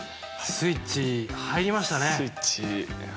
スイッチ入りましたね